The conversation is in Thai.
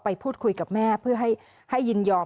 พูดคุยกับแม่เพื่อให้ยินยอม